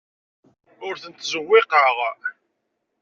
Ur tent-ttzewwiqeɣ.